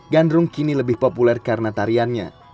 gandrung kini lebih populer karena tariannya